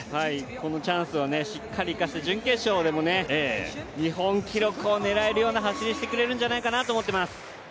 このチャンスをしっかり生かして準決勝でも日本記録を狙える走りをしてくれるんじゃないかなと思っています。